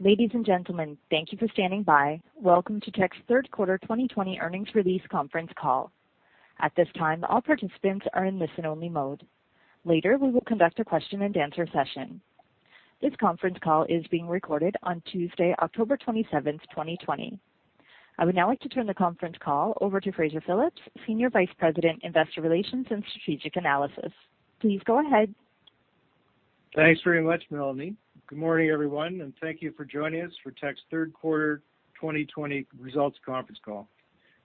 Ladies and gentlemen, thank you for standing by. Welcome to Teck's third quarter 2020 earnings release conference call. At this time, all participants are in listen-only mode. Later, we will conduct a question-and-answer session. This conference call is being recorded on Tuesday, October 27, 2020. I would now like to turn the conference call over to Fraser Phillips, Senior Vice President, Investor Relations and Strategic Analysis. Please go ahead. Thanks very much, Melanie. Good morning, everyone, and thank you for joining us for Teck's third quarter 2020 results conference call.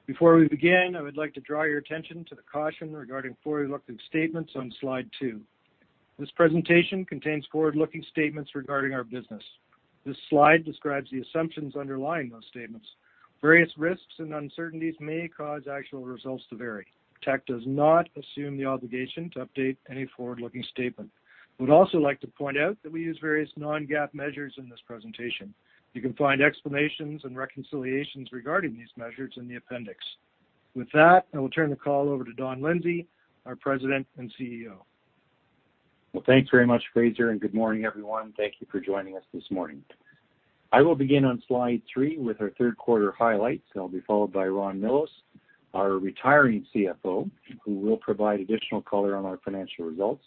Before we begin, I would like to draw your attention to the caution regarding forward-looking statements on slide two. This presentation contains forward-looking statements regarding our business. This slide describes the assumptions underlying those statements. Various risks and uncertainties may cause actual results to vary. Teck does not assume the obligation to update any forward-looking statement. We'd also like to point out that we use various non-GAAP measures in this presentation. You can find explanations and reconciliations regarding these measures in the appendix. With that, I will turn the call over to Don Lindsay, our President and CEO. Thanks very much, Fraser, good morning, everyone. Thank you for joining us this morning. I will begin on slide three with our third quarter highlights. I will be followed by Ron Millos, our retiring CFO, who will provide additional color on our financial results.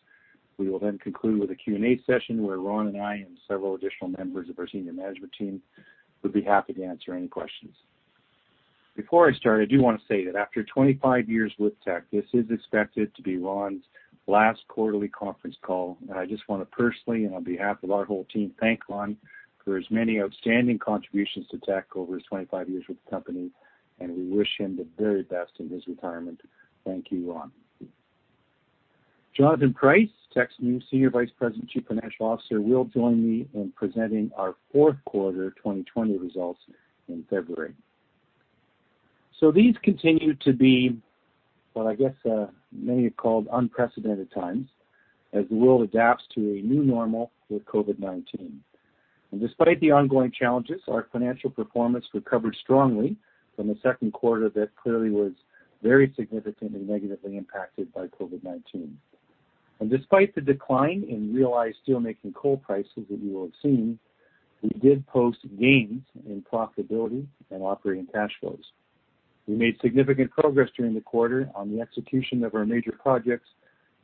We will conclude with a Q and A session where Ron and I, and several additional members of our senior management team, would be happy to answer any questions. Before I start, I do want to say that after 25 years with Teck, this is expected to be Ron's last quarterly conference call. I just want to personally, and on behalf of our whole team, thank Ron for his many outstanding contributions to Teck over his 25 years with the company. We wish him the very best in his retirement. Thank you, Ron. Jonathan Price, Teck's new Senior Vice President, Chief Financial Officer, will join me in presenting our fourth quarter 2020 results in February. These continue to be what I guess many have called unprecedented times as the world adapts to a new normal with COVID-19. Despite the ongoing challenges, our financial performance recovered strongly from the second quarter that clearly was very significantly negatively impacted by COVID-19. Despite the decline in realized steelmaking coal prices that you will have seen, we did post gains in profitability and operating cash flows. We made significant progress during the quarter on the execution of our major projects,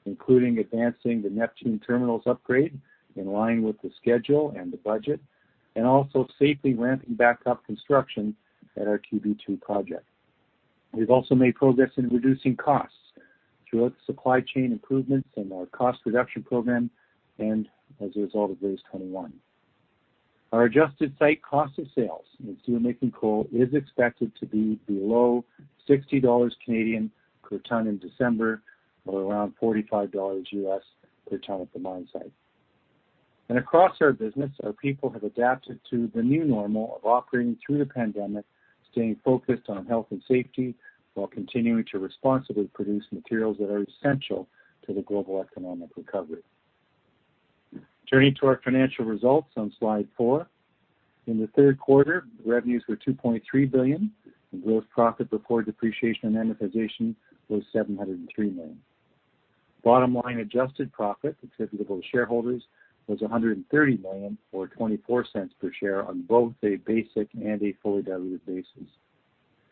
including advancing the Neptune Terminals upgrade in line with the schedule and the budget, and also safely ramping back up construction at our QB2 project. We've also made progress in reducing costs throughout the supply chain improvements in our cost reduction program and as a result of RACE21. Our adjusted site cost of sales in steelmaking coal is expected to be below 60 Canadian dollars per ton in December, or around $45 per ton at the mine site. Across our business, our people have adapted to the new normal of operating through the pandemic, staying focused on health and safety while continuing to responsibly produce materials that are essential to the global economic recovery. Turning to our financial results on slide four. In the third quarter, revenues were 2.3 billion, and gross profit before depreciation and amortization was 703 million. Bottom line adjusted profit attributable to shareholders was 130 million, or 0.24 per share on both a basic and a fully diluted basis.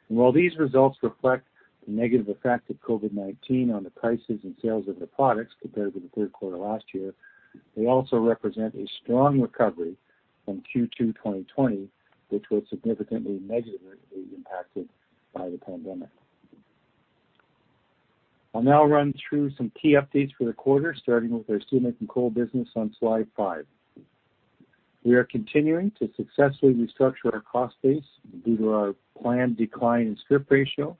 While these results reflect the negative effect of COVID-19 on the prices and sales of the products compared to the third quarter last year, they also represent a strong recovery from Q2 2020, which was significantly negatively impacted by the pandemic. I'll now run through some key updates for the quarter, starting with our steelmaking coal business on slide five. We are continuing to successfully restructure our cost base due to our planned decline in strip ratio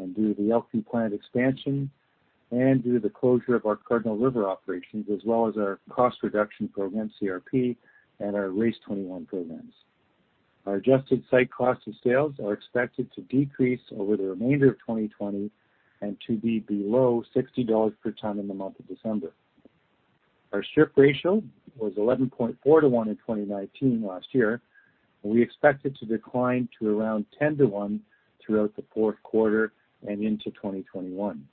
and due to the Elkview plant expansion and due to the closure of our Cardinal River operations as well as our cost reduction program, CRP, and our RACE21 programs. Our adjusted site cost of sales are expected to decrease over the remainder of 2020 and to be below 60 dollars per ton in the month of December. Our strip ratio was 11.4 to 1 in 2019 last year. We expect it to decline to around 10 to one throughout the fourth quarter and into 2021.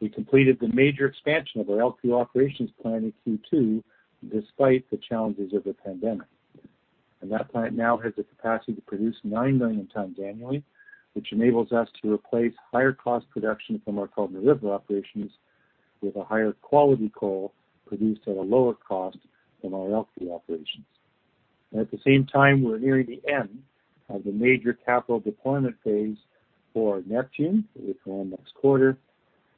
We completed the major expansion of our Elkview Operations plant in Q2, despite the challenges of the pandemic. That plant now has the capacity to produce 9 million tons annually, which enables us to replace higher cost production from our Cardinal River operations with a higher quality coal produced at a lower cost than our Elkview Operations. At the same time, we're nearing the end of the major capital deployment phase for Neptune, which will end next quarter,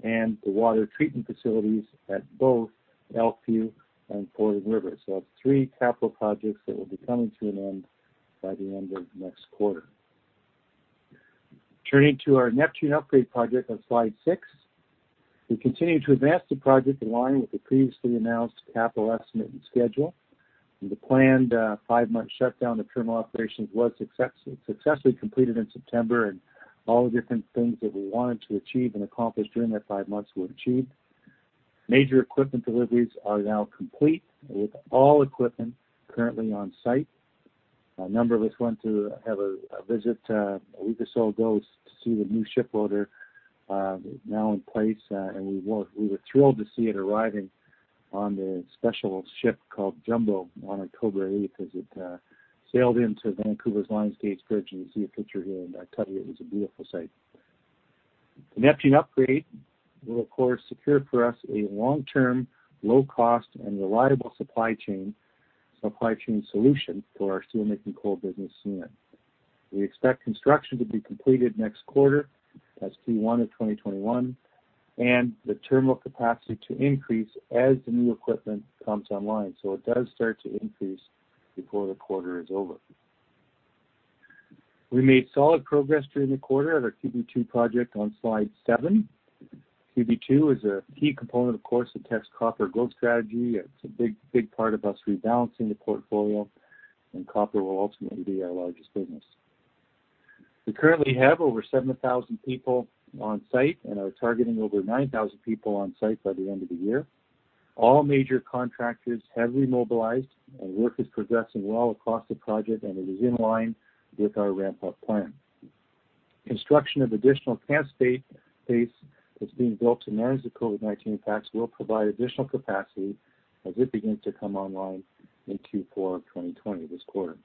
and the water treatment facilities at both Elkview and Fording River. That's three capital projects that will be coming to an end by the end of next quarter. Turning to our Neptune upgrade project on slide six. We continue to advance the project in line with the previously announced capital estimate and schedule. The planned five-month shutdown of terminal operations was successfully completed in September, and all the different things that we wanted to achieve and accomplish during that five months were achieved. Major equipment deliveries are now complete with all equipment currently on site. A number of us went to have a visit a week or so ago to see the new ship loader now in place, and we were thrilled to see it arriving on the special ship called Jumbo on October 8th as it sailed into Vancouver's Lions Gate Bridge. You see a picture here, and I tell you, it was a beautiful sight. The Neptune upgrade will of course secure for us a long-term, low-cost, and reliable supply chain solution for our steelmaking coal business. We expect construction to be completed next quarter, that's Q1 of 2021, and the terminal capacity to increase as the new equipment comes online. It does start to increase before the quarter is over. We made solid progress during the quarter of our QB2 project on slide seven. QB2 is a key component, of course, to Teck's copper growth strategy. It's a big part of us rebalancing the portfolio, and copper will ultimately be our largest business. We currently have over 7,000 people on site and are targeting over 9,000 people on site by the end of the year. All major contractors have remobilized, and work is progressing well across the project, and it is in line with our ramp-up plan. Construction of additional camp space that's being built to manage the COVID-19 impacts will provide additional capacity as it begins to come online in Q4 of 2020, this quarter.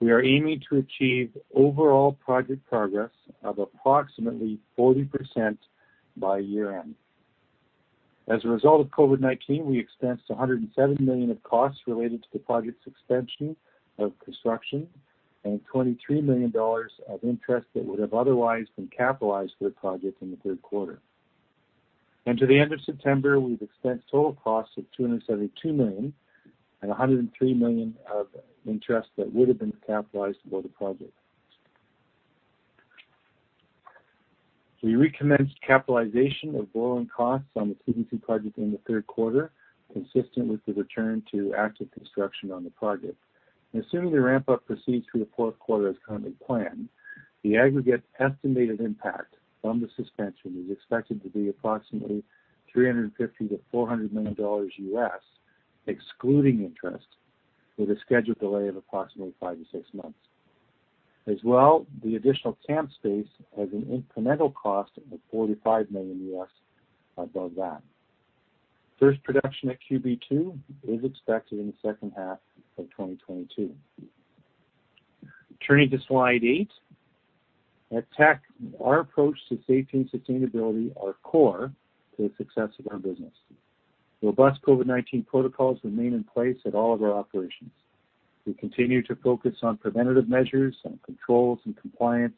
We are aiming to achieve overall project progress of approximately 40% by year-end. As a result of COVID-19, we expensed 107 million of costs related to the project's suspension of construction and 23 million dollars of interest that would have otherwise been capitalized for the project in the third quarter. To the end of September, we've expensed total costs of 272 million and 103 million of interest that would have been capitalized for the project. We recommenced capitalization of borrowing costs on the QB2 project in the third quarter, consistent with the return to active construction on the project. Assuming the ramp-up proceeds through the fourth quarter as currently planned, the aggregate estimated impact from the suspension is expected to be approximately $350 million-$400 million U.S., excluding interest, with a scheduled delay of approximately five to six months. As well, the additional camp space has an incremental cost of $45 million U.S. above that. First production at QB2 is expected in the second half of 2022. Turning to slide eight. At Teck, our approach to safety and sustainability are core to the success of our business. Robust COVID-19 protocols remain in place at all of our operations. We continue to focus on preventative measures and controls, and compliance,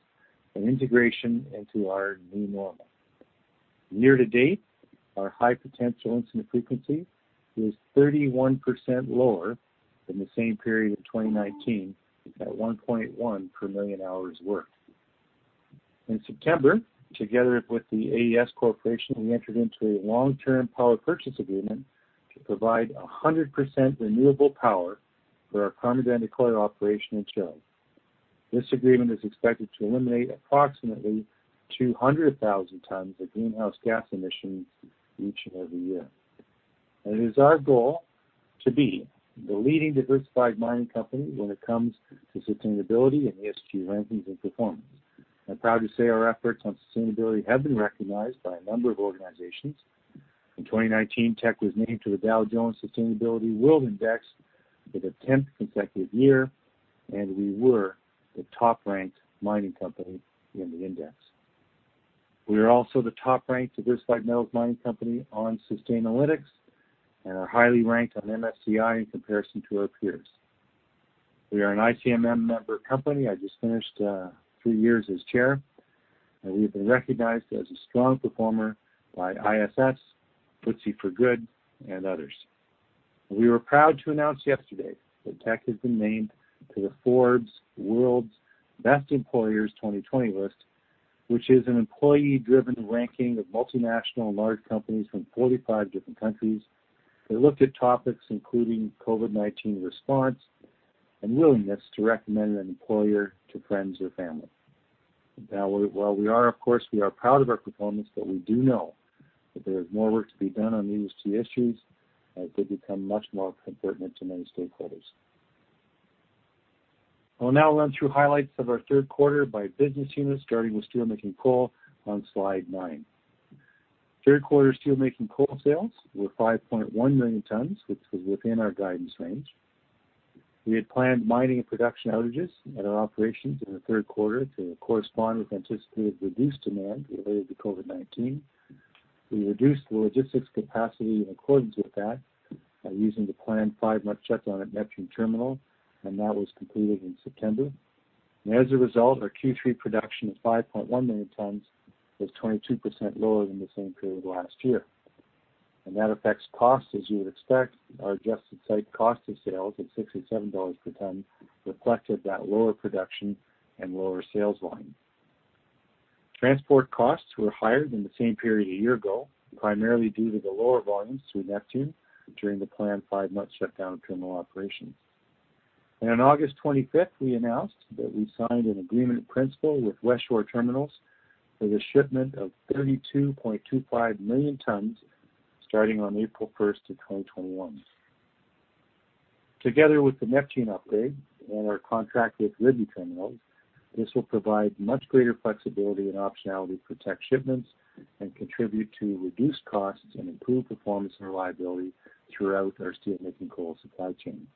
and integration into our new normal. Year to date, our high potential incident frequency is 31% lower than the same period in 2019 at 1.1 per million hours worked. In September, together with the AES Corporation, we entered into a long-term power purchase agreement to provide 100% renewable power for our Carmen de Andacollo operation in Chile. This agreement is expected to eliminate approximately 200,000 tons of greenhouse gas emissions each and every year. It is our goal to be the leading diversified mining company when it comes to sustainability and ESG rankings and performance. I'm proud to say our efforts on sustainability have been recognized by a number of organizations. In 2019, Teck was named to the Dow Jones Sustainability World Index for the tenth consecutive year, and we were the top-ranked mining company in the index. We are also the top-ranked diversified metals mining company on Sustainalytics and are highly ranked on MSCI in comparison to our peers. We are an ICMM member company. I just finished three years as chair. We have been recognized as a strong performer by ISS, FTSE4Good, and others. We were proud to announce yesterday that Teck has been named to the Forbes World's Best Employers 2020 list, which is an employee-driven ranking of multinational and large companies from 45 different countries. They looked at topics including COVID-19 response and willingness to recommend an employer to friends or family. Now, while we are, of course, proud of our performance, we do know that there is more work to be done on ESG issues as they become much more pertinent to many stakeholders. I will now run through highlights of our third quarter by business unit, starting with steelmaking coal on slide nine. Third quarter steelmaking coal sales were 5.1 million tons, which was within our guidance range. We had planned mining and production outages at our operations in the third quarter to correspond with anticipated reduced demand related to COVID-19. We reduced the logistics capacity in accordance with that by using the planned five-month shutdown at Neptune Terminals, and that was completed in September. As a result, our Q3 production of 5.1 million tons was 22% lower than the same period last year. That affects costs as you would expect. Our adjusted site cost of sales at 67 dollars per ton reflected that lower production and lower sales volume. Transport costs were higher than the same period a year ago, primarily due to the lower volumes through Neptune during the planned five-month shutdown of terminal operations. On August 25th, we announced that we signed an agreement in principle with Westshore Terminals for the shipment of 32.25 million tons starting on April 1st in 2021. Together with the Neptune upgrade and our contract with Ridley Terminal, this will provide much greater flexibility and optionality for Teck shipments and contribute to reduced costs and improved performance and reliability throughout our steelmaking coal supply chain.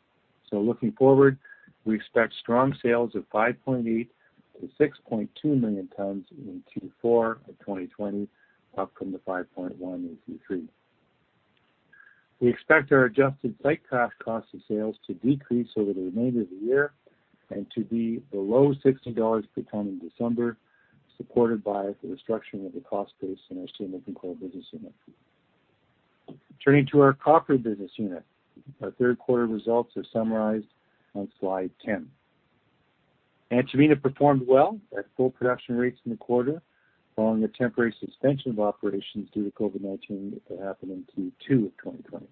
Looking forward, we expect strong sales of 5.8 million-6.2 million tonnes in Q4 of 2020, up from the 5.1 in Q3. We expect our adjusted site cash cost of sales to decrease over the remainder of the year and to be below 60 dollars per tonne in December, supported by the restructuring of the cost base in our steelmaking coal business unit. Turning to our copper business unit. Our third quarter results are summarized on slide 10. Antamina performed well at full production rates in the quarter, following a temporary suspension of operations due to COVID-19 that happened in Q2 of 2020.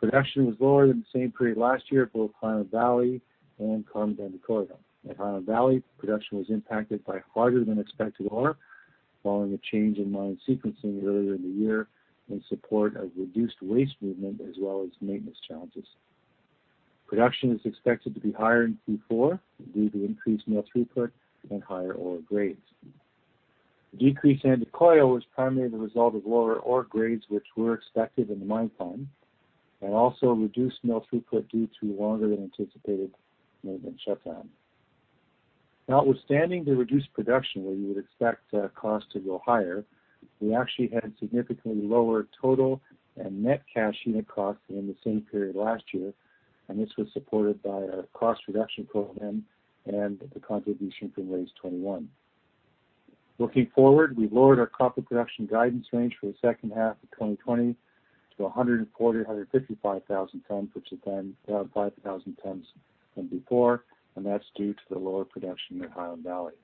Production was lower than the same period last year at both Highland Valley and Carmen de Andacollo. At Highland Valley, production was impacted by harder than expected ore, following a change in mine sequencing earlier in the year in support of reduced waste movement, as well as maintenance challenges. Production is expected to be higher in Q4 due to increased mill throughput and higher ore grades. The decrease in Andacollo was primarily the result of lower ore grades, which were expected in the mine plan, and also reduced mill throughput due to longer than anticipated maintenance shutdown. Notwithstanding the reduced production where you would expect cost to go higher, we actually had significantly lower total and net cash unit costs in the same period last year, this was supported by our cost reduction program and the contribution from RACE21. Looking forward, we've lowered our copper production guidance range for the second half of 2020 to 140,000-155,000 tonnes, which is down 5,000 tonnes from before, and that's due to the lower production at Highland Valley.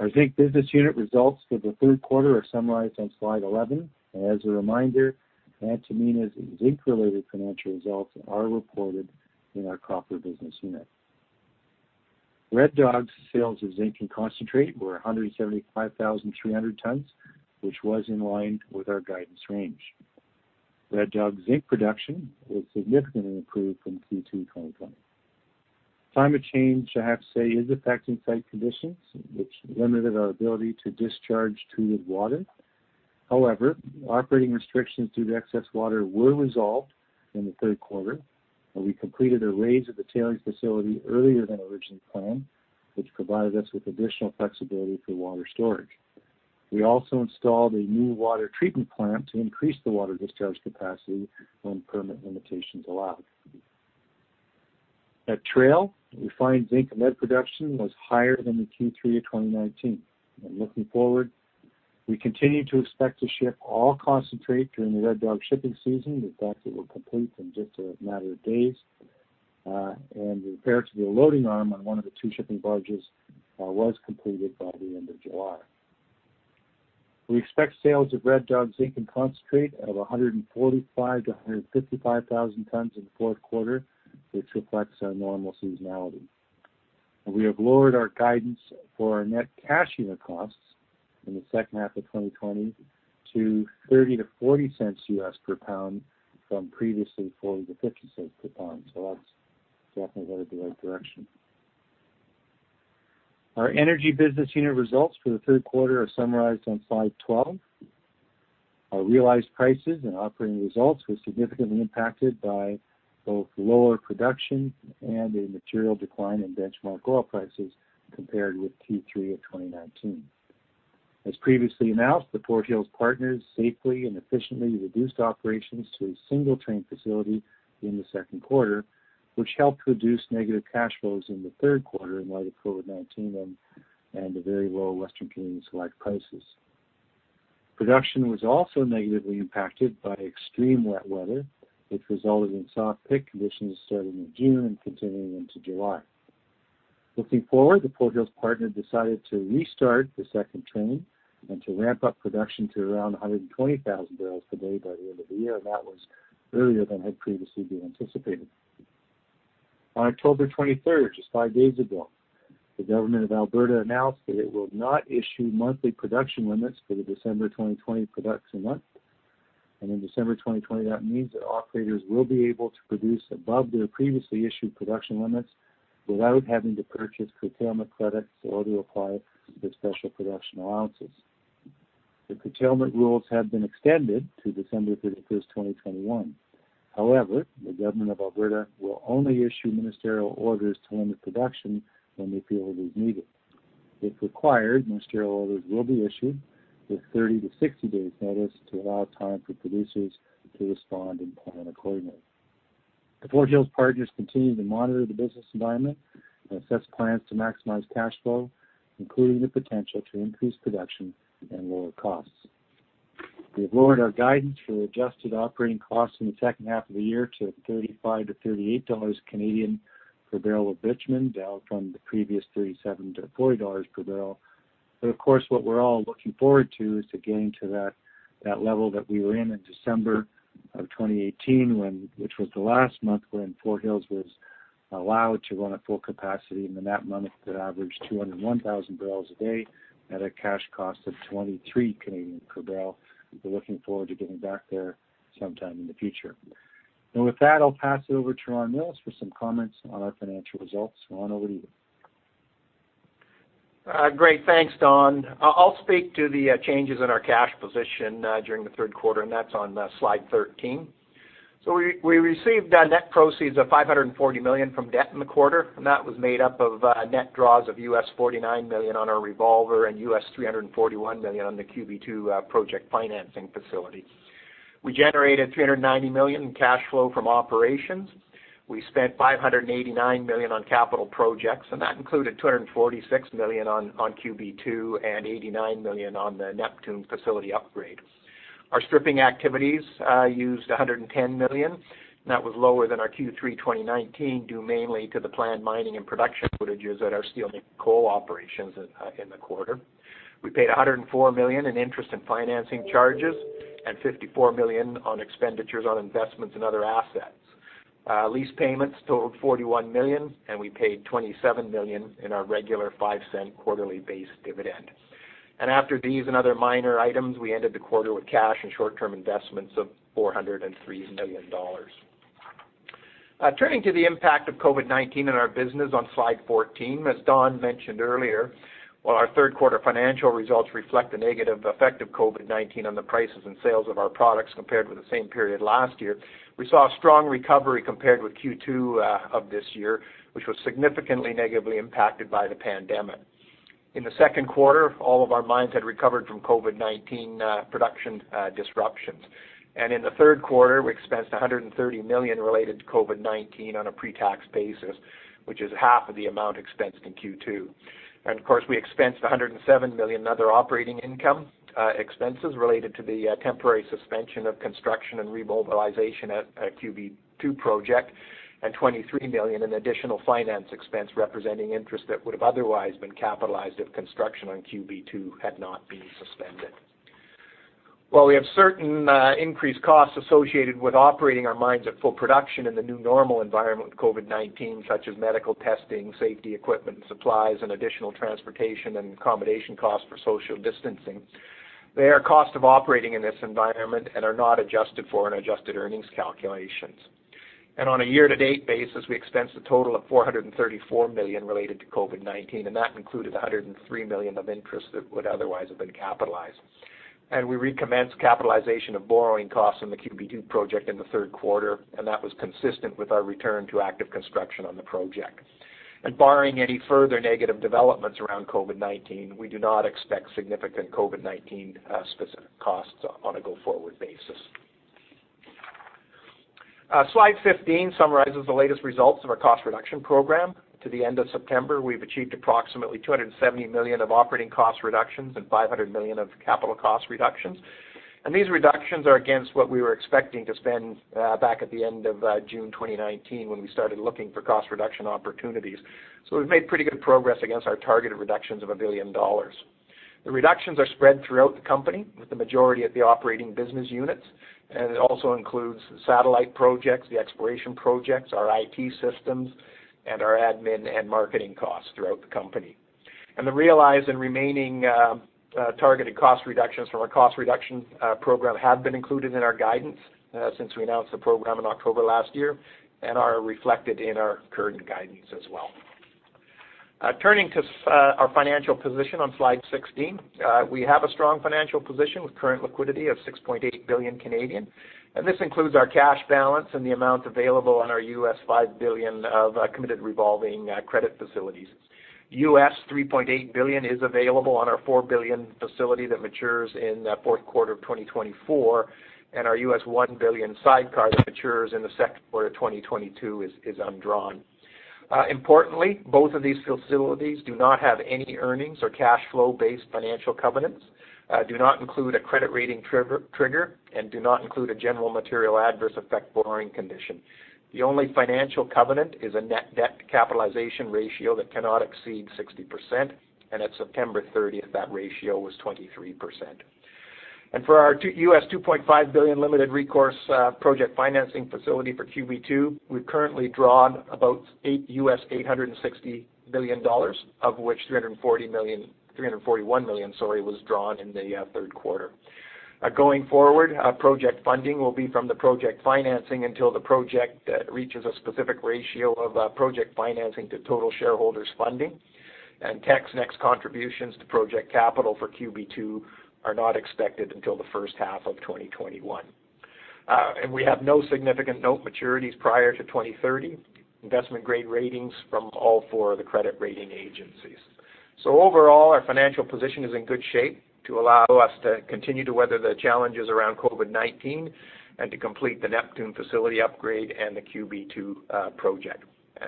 Our zinc business unit results for the third quarter are summarized on slide 11. As a reminder, Antamina's zinc-related financial results are reported in our copper business unit. Red Dog sales of zinc and concentrate were 175,300 tonnes, which was in line with our guidance range. Red Dog zinc production was significantly improved from Q2 2020. Climate change, I have to say, is affecting site conditions, which limited our ability to discharge treated water. However, operating restrictions due to excess water were resolved in the third quarter, and we completed a raise at the tailings facility earlier than originally planned, which provided us with additional flexibility for water storage. We also installed a new water treatment plant to increase the water discharge capacity when permit limitations allow. At Trail, refined zinc and lead production was higher than the Q3 of 2019. Looking forward, we continue to expect to ship all concentrate during the Red Dog shipping season. In fact, it will complete in just a matter of days. The repair to the loading arm on one of the two shipping barges was completed by the end of July. We expect sales of Red Dog zinc and concentrate of 145,000 to 155,000 tonnes in the fourth quarter, which reflects our normal seasonality. We have lowered our guidance for our net cash unit costs in the second half of 2020 to $0.30-$0.40 USD per pound, from previously $0.40-$0.50 USD per pound. That's definitely headed the right direction. Our energy business unit results for the third quarter are summarized on slide 12. Our realized prices and operating results were significantly impacted by both lower production and a material decline in benchmark oil prices compared with Q3 of 2019. As previously announced, the Fort Hills partners safely and efficiently reduced operations to a single train facility in the second quarter, which helped reduce negative cash flows in the third quarter in light of COVID-19 and the very low Western Canadian Select prices. Production was also negatively impacted by extreme wet weather, which resulted in soft pit conditions starting in June and continuing into July. Looking forward, the Fort Hills partner decided to restart the second train and to ramp up production to around 120,000 barrels per day by the end of the year, and that was earlier than had previously been anticipated. On October 23rd, just five days ago, the government of Alberta announced that it will not issue monthly production limits for the December 2020 production month. In December 2020, that means that operators will be able to produce above their previously issued production limits without having to purchase curtailment credits or to apply for special production allowances. The curtailment rules have been extended to December 31st, 2021. However, the government of Alberta will only issue ministerial orders to limit production when they feel it is needed. If required, ministerial orders will be issued with 30 to 60 days notice to allow time for producers to respond and plan accordingly. The Fort Hills partners continue to monitor the business environment and assess plans to maximize cash flow, including the potential to increase production and lower costs. We've lowered our guidance for adjusted operating costs in the second half of the year to 35-38 dollars per barrel of bitumen, down from the previous 37-40 dollars per barrel. Of course, what we're all looking forward to is to getting to that level that we were in in December 2018, which was the last month when Fort Hills was allowed to run at full capacity and in that month it averaged 201,000 barrels a day at a cash cost of 23 per barrel. We're looking forward to getting back there sometime in the future. With that, I'll pass it over to Ron Millos for some comments on our financial results. Ron, over to you. Great. Thanks, Don. I'll speak to the changes in our cash position during the third quarter. That's on slide 13. We received net proceeds of 540 million from debt in the quarter, and that was made up of net draws of $49 million on our revolver and $341 million on the QB2 project financing facility. We generated 390 million in cash flow from operations. We spent 589 million on capital projects, and that included 246 million on QB2 and 89 million on the Neptune facility upgrade. Our stripping activities used 110 million, and that was lower than our Q3 2019 due mainly to the planned mining and production outages at our steelmaking coal operations in the quarter. We paid 104 million in interest and financing charges and 54 million on expenditures on investments in other assets. Lease payments totaled 41 million. We paid 27 million in our regular 0.05 quarterly base dividend. After these and other minor items, we ended the quarter with cash and short-term investments of 403 million dollars. Turning to the impact of COVID-19 in our business on slide 14, as Don mentioned earlier, while our third quarter financial results reflect the negative effect of COVID-19 on the prices and sales of our products compared with the same period last year, we saw a strong recovery compared with Q2 of this year, which was significantly negatively impacted by the pandemic. In the second quarter, all of our mines had recovered from COVID-19 production disruptions. In the third quarter, we expensed 130 million related to COVID-19 on a pre-tax basis, which is half of the amount expensed in Q2. Of course, we expensed 107 million in other operating income expenses related to the temporary suspension of construction and remobilization at QB2 project and 23 million in additional finance expense representing interest that would have otherwise been capitalized if construction on QB2 had not been suspended. While we have certain increased costs associated with operating our mines at full production in the new normal environment with COVID-19, such as medical testing, safety equipment, supplies, and additional transportation and accommodation costs for social distancing, they are costs of operating in this environment and are not adjusted for in adjusted earnings calculations. On a year-to-date basis, we expensed a total of 434 million related to COVID-19, and that included 103 million of interest that would otherwise have been capitalized. We recommenced capitalization of borrowing costs in the QB2 project in the third quarter, and that was consistent with our return to active construction on the project. Barring any further negative developments around COVID-19, we do not expect significant COVID-19 specific costs on a go-forward basis. Slide 15 summarizes the latest results of our cost reduction program. To the end of September, we've achieved approximately 270 million of operating cost reductions and 500 million of capital cost reductions. These reductions are against what we were expecting to spend back at the end of June 2019 when we started looking for cost reduction opportunities. We've made pretty good progress against our targeted reductions of 1 billion dollars. The reductions are spread throughout the company with the majority at the operating business units. It also includes satellite projects, the exploration projects, our IT systems, and our admin and marketing costs throughout the company. The realized and remaining targeted cost reductions from our cost reduction program have been included in our guidance since we announced the program in October last year and are reflected in our current guidance as well. Turning to our financial position on slide 16. We have a strong financial position with current liquidity of 6.8 billion, and this includes our cash balance and the amount available on our $5 billion of committed revolving credit facilities. $3.8 billion is available on our $4 billion facility that matures in the fourth quarter of 2024, and our $1 billion sidecar that matures in the second quarter of 2022 is undrawn. Both of these facilities do not have any earnings or cash flow-based financial covenants, do not include a credit rating trigger, and do not include a general material adverse effect borrowing condition. The only financial covenant is a net debt to capitalization ratio that cannot exceed 60%, at September 30th, that ratio was 23%. For our $2.5 billion limited recourse project financing facility for QB2, we've currently drawn about $860 million, of which $341 million was drawn in the third quarter. Going forward, project funding will be from the project financing until the project reaches a specific ratio of project financing to total shareholders funding, Teck's next contributions to project capital for QB2 are not expected until the first half of 2021. We have no significant note maturities prior to 2030, investment grade ratings from all four of the credit rating agencies. Overall, our financial position is in good shape to allow us to continue to weather the challenges around COVID-19 and to complete the Neptune facility upgrade and the QB2 project.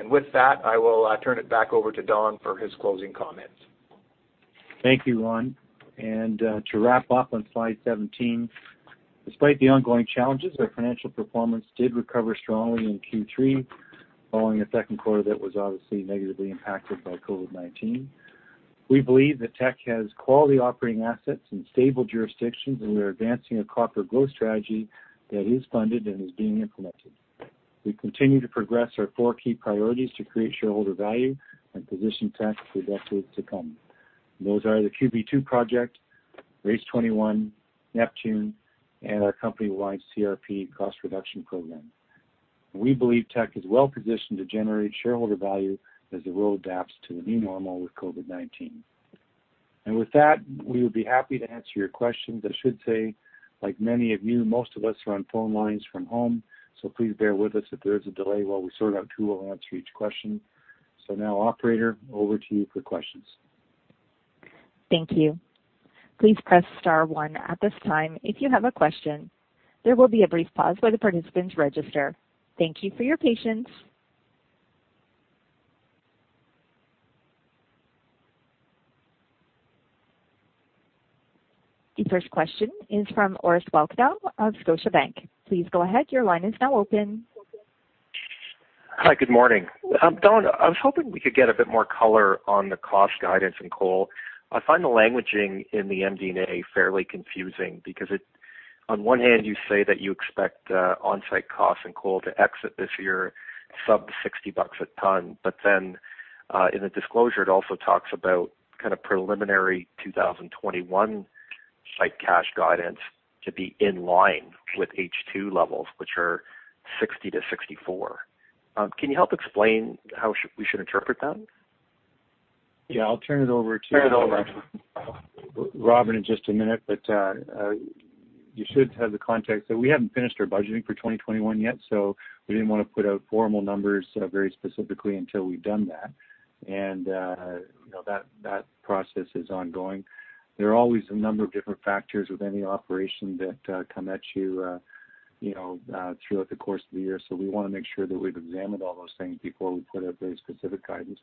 With that, I will turn it back over to Don for his closing comments. Thank you, Ron. To wrap up on slide 17, despite the ongoing challenges, our financial performance did recover strongly in Q3, following a second quarter that was obviously negatively impacted by COVID-19. We believe that Teck has quality operating assets in stable jurisdictions, and we are advancing a corporate growth strategy that is funded and is being implemented. We continue to progress our four key priorities to create shareholder value and position Teck for decades to come. Those are the QB2 project, RACE21, Neptune, and our company-wide CRP, Cost Reduction Program. We believe Teck is well-positioned to generate shareholder value as the world adapts to the new normal with COVID-19. With that, we would be happy to answer your questions. I should say, like many of you, most of us are on phone lines from home, so please bear with us if there is a delay while we sort out who will answer each question. Now, operator, over to you for questions. Thank you. Please press star one at this time if you have a question. There will be a brief pause while the participants register. Thank you for your patience. The first question is from Orest Wowkodaw of Scotiabank. Please go ahead, your line is now open. Hi, good morning. Don, I was hoping we could get a bit more color on the cost guidance in coal. I find the languaging in the MD&A fairly confusing because on one hand, you say that you expect onsite costs in coal to exit this year sub 60 bucks a ton. In the disclosure, it also talks about kind of preliminary 2021 site cash guidance to be in line with H2 levels, which are 60-64. Can you help explain how we should interpret that? Yeah. I'll turn it over. Turn it over. Robin, in just a minute. You should have the context that we haven't finished our budgeting for 2021 yet, so we didn't want to put out formal numbers very specifically until we've done that. That process is ongoing. There are always a number of different factors with any operation that come at you throughout the course of the year, so we want to make sure that we've examined all those things before we put out very specific guidance.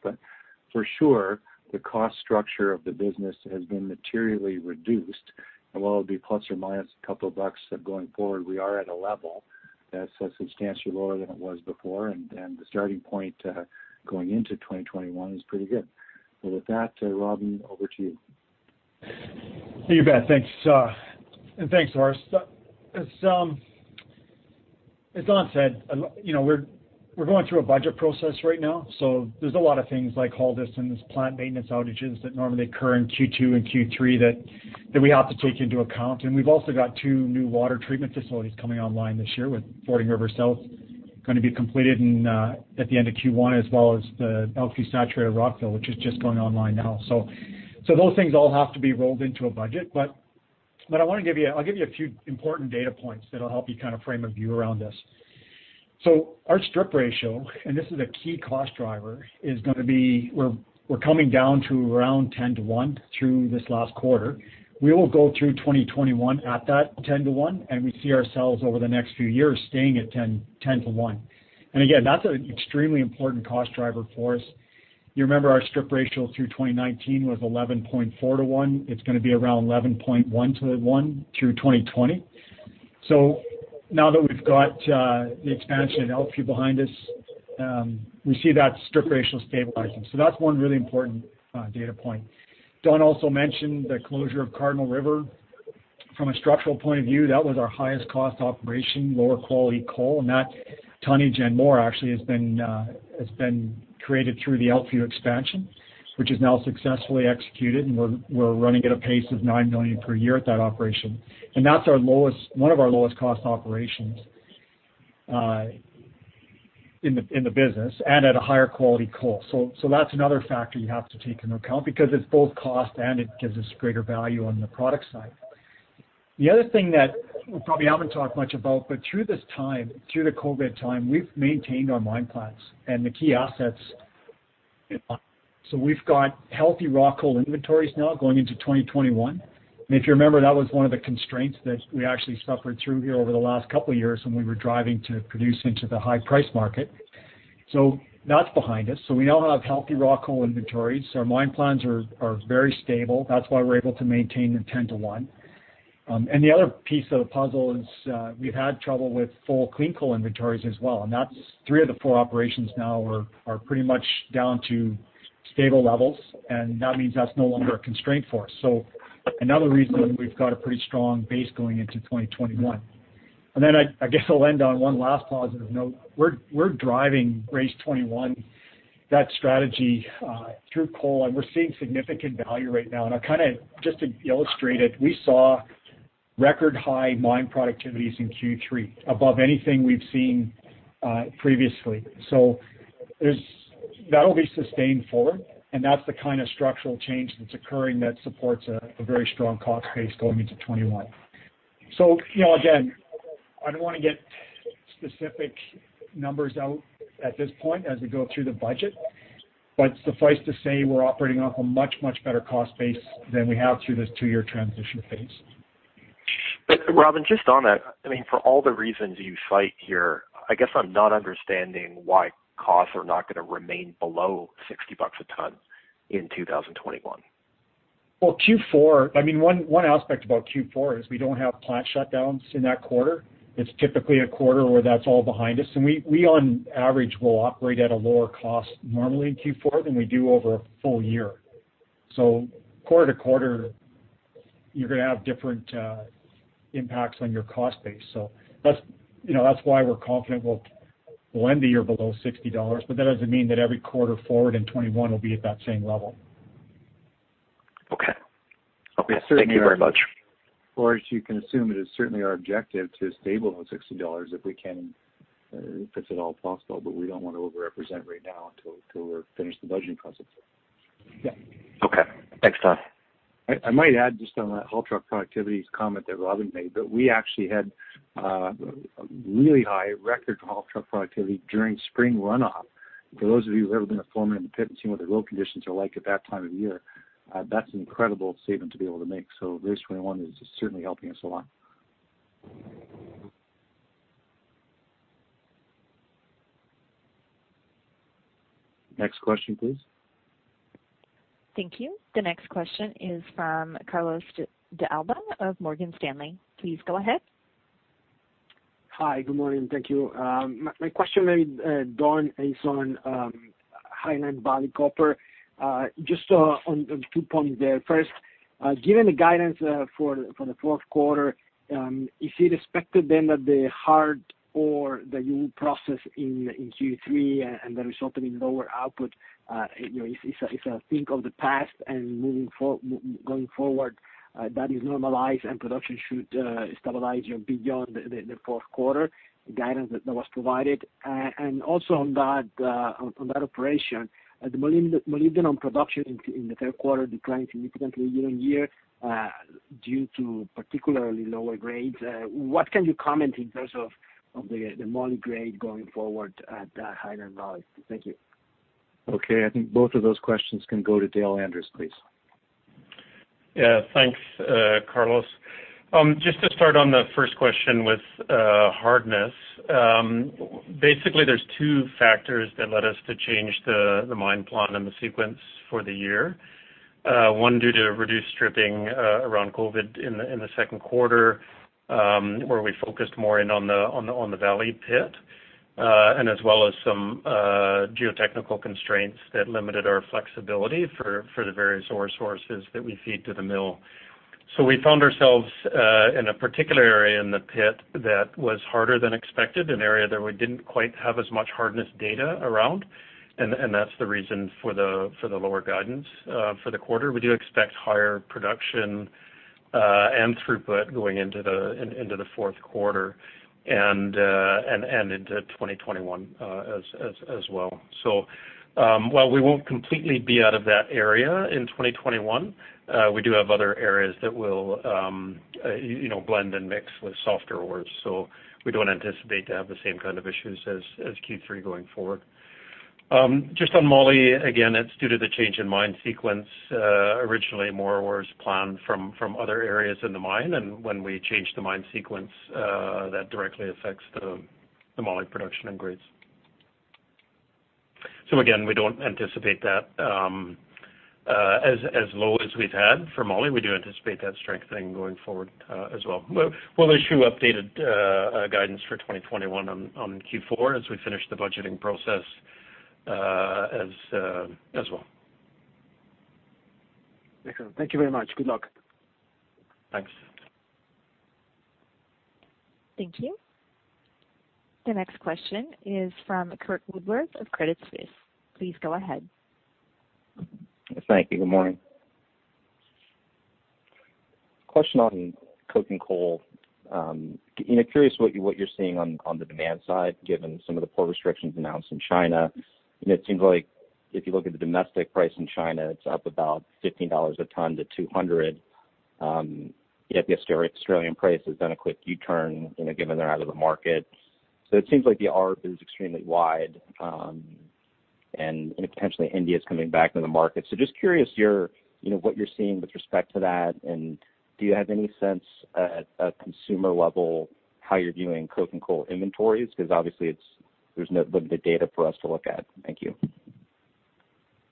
For sure, the cost structure of the business has been materially reduced. While it'll be plus or minus a couple of bucks going forward, we are at a level that's substantially lower than it was before, and the starting point going into 2021 is pretty good. With that, Robin, over to you. You bet. Thanks, Orest. As Don said, we're going through a budget process right now. There's a lot of things like haulage and there's plant maintenance outages that normally occur in Q2 and Q3 that we have to take into account. We've also got two new water treatment facilities coming online this year with Fording River South going to be completed at the end of Q1, as well as the Elkview Saturated Rock Fill, which is just going online now. Those things all have to be rolled into a budget. I'll give you a few important data points that'll help you kind of frame a view around this. Our strip ratio, and this is a key cost driver, we're coming down to around 10:1 through this last quarter. We will go through 2021 at that 10:1. We see ourselves over the next few years staying at 10:1. Again, that's an extremely important cost driver for us. You remember our strip ratio through 2019 was 11.4:1. It's going to be around 11.1:1 through 2020. Now that we've got the expansion in Elkview behind us, we see that strip ratio stabilizing. That's one really important data point. Don also mentioned the closure of Cardinal River. From a structural point of view, that was our highest cost operation, lower quality coal, and that tonnage and more actually has been created through the LP expansion, which is now successfully executed, and we're running at a pace of 9 million per year at that operation. That's one of our lowest cost operations in the business and at a higher quality coal. That's another factor you have to take into account because it's both cost and it gives us greater value on the product side. The other thing that we probably haven't talked much about, but through this time, through the COVID time, we've maintained our mine plans and the key assets. We've got healthy raw coal inventories now going into 2021. If you remember, that was one of the constraints that we actually suffered through here over the last couple of years when we were driving to produce into the high price market. That's behind us. We now have healthy raw coal inventories. Our mine plans are very stable. That's why we're able to maintain the 10:1. The other piece of the puzzle is we've had trouble with full clean coal inventories as well, and three of the four operations now are pretty much down to stable levels, and that means that's no longer a constraint for us. Another reason we've got a pretty strong base going into 2021. I guess I'll end on one last positive note. We're driving RACE21, that strategy through coal, and we're seeing significant value right now. Just to illustrate it, we saw record high mine productivities in Q3 above anything we've seen previously. That'll be sustained forward, and that's the kind of structural change that's occurring that supports a very strong cost base going into 2021. Again, I don't want to get specific numbers out at this point as we go through the budget, but suffice to say, we're operating off a much, much better cost base than we have through this two-year transition phase. Robin, just on that, for all the reasons you cite here, I guess I'm not understanding why costs are not going to remain below 60 bucks a ton in 2021. Well, Q4, one aspect about Q4 is we don't have plant shutdowns in that quarter. It's typically a quarter where that's all behind us, and we on average will operate at a lower cost normally in Q4 than we do over a full year. Quarter-to-quarter, you're going to have different impacts on your cost base. That's why we're confident we'll end the year below 60 dollars, but that doesn't mean that every quarter forward in 2021 will be at that same level. Okay. Thank you very much. As you can assume, it is certainly our objective to stable those 60 dollars if we can, if it's at all possible, but we don't want to over-represent right now until we're finished the budgeting process. Yeah. Okay. Thanks, Don. I might add just on that haul truck productivity comment that Robin made, that we actually had really high record haul truck productivity during spring runoff. For those of you who've ever been a foreman in the pit and seen what the road conditions are like at that time of year, that's an incredible statement to be able to make. RACE21 is certainly helping us a lot. Next question, please. Thank you. The next question is from Carlos de Alba of Morgan Stanley. Please go ahead. Hi, good morning. Thank you. My question, maybe Don, is on Highland Valley Copper. Just on two points there. First, given the guidance for the fourth quarter, is it expected then that the hard ore that you will process in Q3 and the resulting in lower output, is a thing of the past and going forward, that is normalized and production should stabilize beyond the fourth quarter guidance that was provided? Also on that operation, the molybdenum production in the third quarter declined significantly year-on-year due to particularly lower grades. What can you comment in terms of the moly grade going forward at Highland Valley? Thank you. Okay. I think both of those questions can go to Dale Andres, please. Thanks, Carlos. Just to start on the first question with hardness. Basically, there are two factors that led us to change the mine plan and the sequence for the year. One, due to reduced stripping around COVID in the second quarter, where we focused more in on the valley pit, and as well as some geotechnical constraints that limited our flexibility for the various ore sources that we feed to the mill. We found ourselves in a particular area in the pit that was harder than expected, an area that we didn't quite have as much hardness data around, and that's the reason for the lower guidance for the quarter. We do expect higher production and throughput going into the fourth quarter and into 2021 as well. While we won't completely be out of that area in 2021, we do have other areas that will blend and mix with softer ores. We don't anticipate to have the same kind of issues as Q3 going forward. Just on moly, again, it's due to the change in mine sequence. Originally, more ore is planned from other areas in the mine, and when we change the mine sequence, that directly affects the moly production and grades. Again, we don't anticipate that as low as we've had for moly. We do anticipate that strengthening going forward as well. We'll issue updated guidance for 2021 on Q4 as we finish the budgeting process as well. Excellent. Thank you very much. Good luck. Thanks. Thank you. The next question is from Curt Woodworth of Credit Suisse. Please go ahead. Thank you. Good morning. Question on coking coal. Curious what you're seeing on the demand side, given some of the port restrictions announced in China. It seems like if you look at the domestic price in China, it's up about 15 dollars a ton to 200, yet the Australian price has done a quick U-turn, given they're out of the market. It seems like the arc is extremely wide, and potentially India is coming back to the market. Just curious what you're seeing with respect to that, and do you have any sense at a consumer level how you're viewing coking coal inventories? Because obviously, there's limited data for us to look at. Thank you.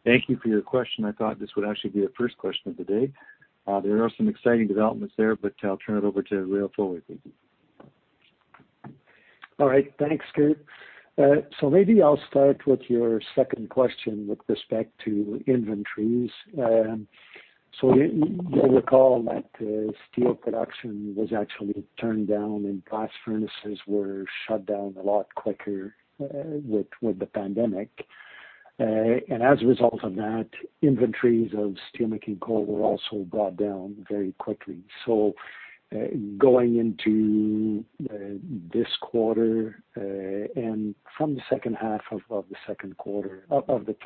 Thank you for your question. I thought this would actually be the first question of the day. There are some exciting developments there, but I'll turn it over to Réal Foley. All right. Thanks, Curt. Maybe I'll start with your second question with respect to inventories. You'll recall that steel production was actually turned down and blast furnaces were shut down a lot quicker with the pandemic. As a result of that, inventories of steelmaking coal were also brought down very quickly. Going into this quarter, and from the second half of the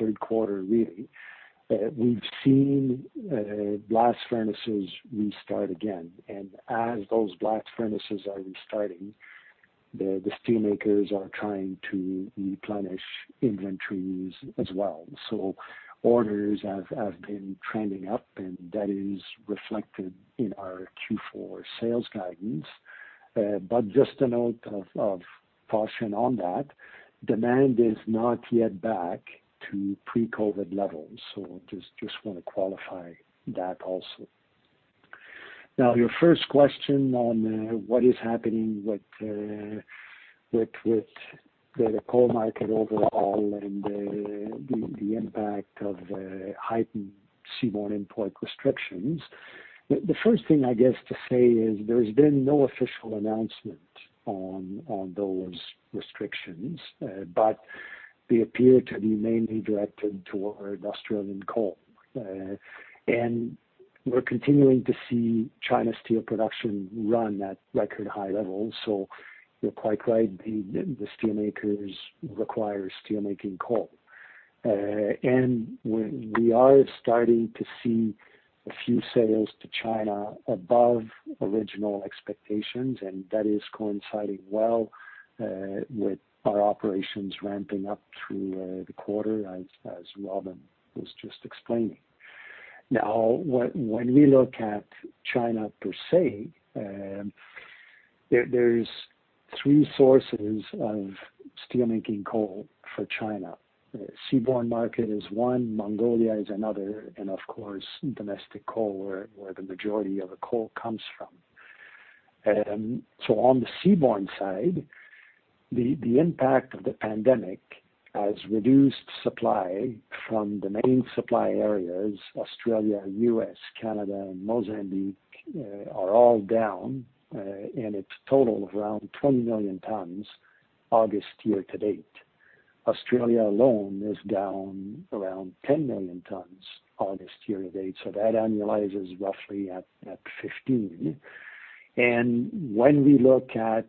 third quarter, really, we've seen blast furnaces restart again. As those blast furnaces are restarting, the steelmakers are trying to replenish inventories as well. Orders have been trending up, and that is reflected in our Q4 sales guidance. Just a note of caution on that, demand is not yet back to pre-COVID levels. Just want to qualify that also. Your first question on what is happening with the coal market overall and the impact of the heightened seaborne import restrictions. The first thing, I guess, to say is there's been no official announcement on those restrictions, but they appear to be mainly directed toward Australian coal. We're continuing to see China steel production run at record high levels. You're quite right, the steel makers require steelmaking coal. We are starting to see a few sales to China above original expectations, and that is coinciding well with our operations ramping up through the quarter, as Robin was just explaining. When we look at China per se, there's three sources of steelmaking coal for China. Seaborne market is one, Mongolia is another, of course, domestic coal, where the majority of the coal comes from. On the seaborne side, the impact of the pandemic has reduced supply from the main supply areas, Australia, U.S., Canada, and Mozambique are all down, and it's a total of around 20 million tons August year to date. Australia alone is down around 10 million tons August year to date, that annualizes roughly at 15. When we look at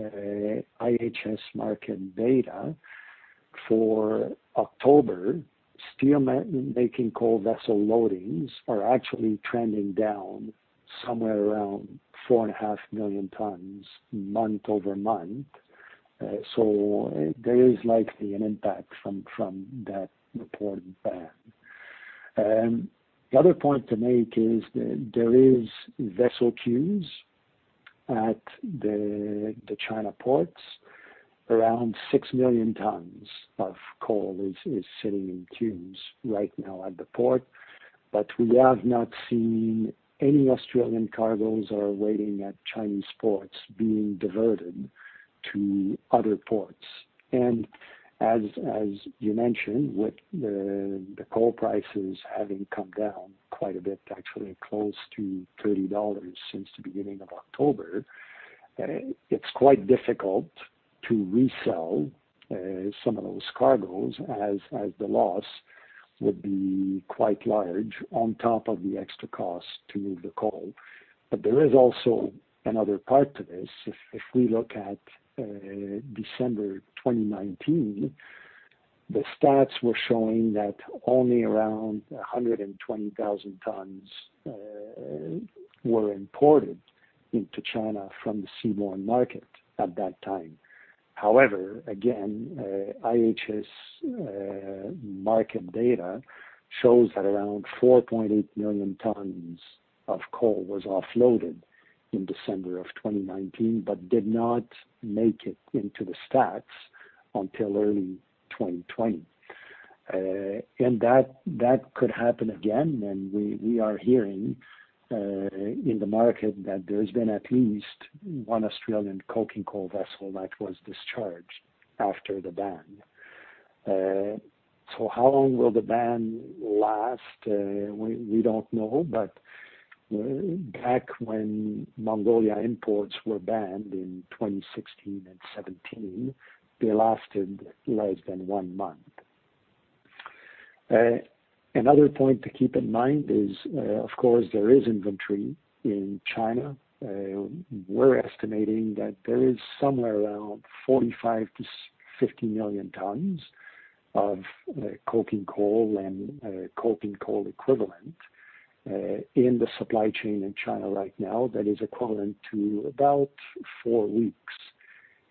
IHS Markit data for October, steelmaking coal vessel loadings are actually trending down somewhere around 4.5 million tons month-over-month. There is likely an impact from that reported ban. The other point to make is there is vessel queues at the China ports. Around 6 million tons of coal is sitting in queues right now at the port. We have not seen any Australian cargoes that are waiting at Chinese ports being diverted to other ports. As you mentioned, with the coal prices having come down quite a bit, actually close to $30 since the beginning of October, it's quite difficult to resell some of those cargoes as the loss would be quite large on top of the extra cost to move the coal. There is also another part to this. If we look at December 2019, the stats were showing that only around 120,000 tons were imported into China from the seaborne market at that time. However, again, IHS Markit data shows that around 4.8 million tons of coal was offloaded in December of 2019, did not make it into the stats until early 2020. That could happen again, and we are hearing in the market that there's been at least one Australian coking coal vessel that was discharged after the ban. How long will the ban last? We don't know, but back when Mongolia imports were banned in 2016 and 2017, they lasted less than one month. Another point to keep in mind is, of course, there is inventory in China. We're estimating that there is somewhere around 45 million-50 million tons of coking coal and coking coal equivalent in the supply chain in China right now. That is equivalent to about four weeks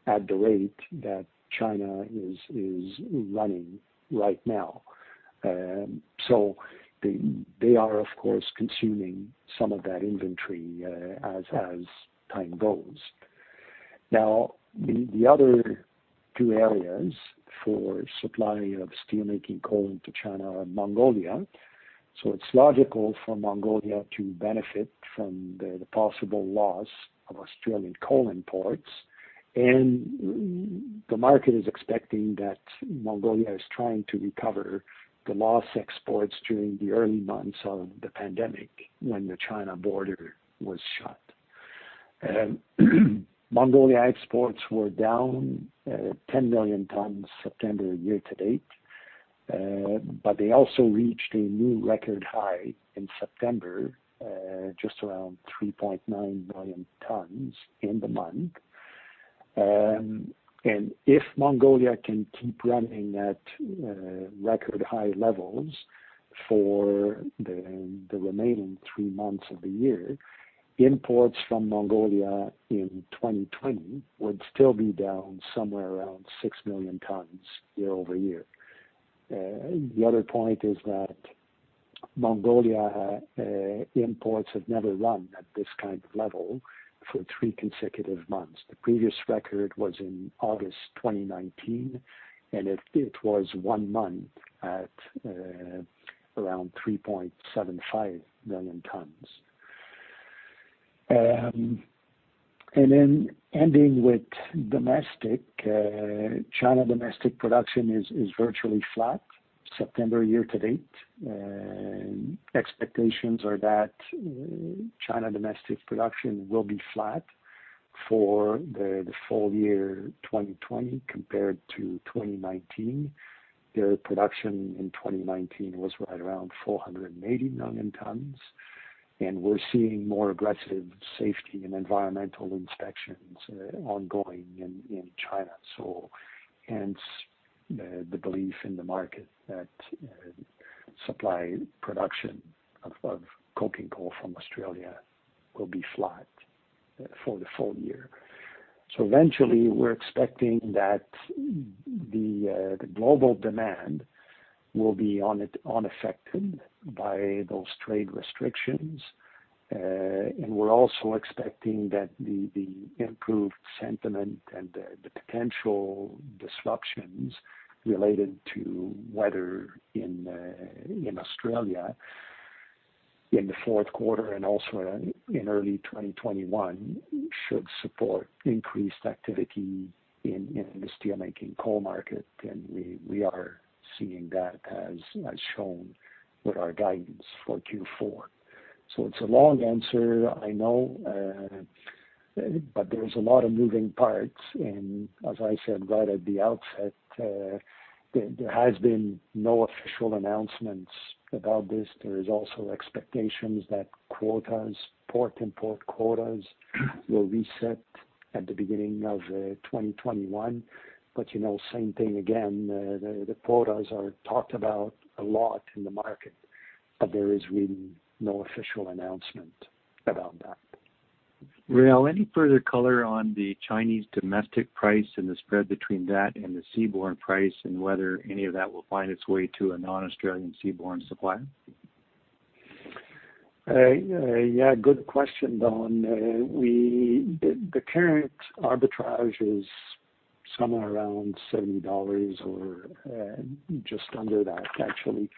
at the rate that China is running right now. They are, of course, consuming some of that inventory as time goes. The other two areas for supply of steelmaking coal into China are Mongolia. It's logical for Mongolia to benefit from the possible loss of Australian coal imports. The market is expecting that Mongolia is trying to recover the lost exports during the early months of the pandemic when the China border was shut. Mongolia exports were down 10 million tons September year-to-date, but they also reached a new record high in September, just around 3.9 million tons in the month. If Mongolia can keep running at record high levels for the remaining three months of the year, imports from Mongolia in 2020 would still be down somewhere around six million tons year-over-year. The other point is that Mongolia imports have never run at this kind of level for three consecutive months. The previous record was in August 2019, and it was one month at around 3.75 million tons. Ending with domestic, China domestic production is virtually flat September year to date. Expectations are that China domestic production will be flat for the full year 2020 compared to 2019. Their production in 2019 was right around 480 million tons, and we're seeing more aggressive safety and environmental inspections ongoing in China. Hence, the belief in the market that supply production of coking coal from Australia will be flat for the full year. We're also expecting that the improved sentiment and the potential disruptions related to weather in Australia in the fourth quarter and also in early 2021 should support increased activity in the steelmaking coal market. We are seeing that as shown with our guidance for Q4. It's a long answer, I know, but there's a lot of moving parts. As I said right at the outset, there has been no official announcements about this. There is also expectations that port import quotas will reset at the beginning of 2021. Same thing again, the quotas are talked about a lot in the market, but there is really no official announcement about that. Réal, any further color on the Chinese domestic price and the spread between that and the seaborne price, and whether any of that will find its way to a non-Australian seaborne supplier? Yeah. Good question, Don. The current arbitrage is somewhere around 70 dollars or just under that, actually.